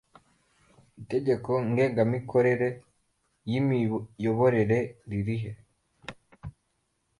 Itegeko ngengamikorere yimiyoborere ririhe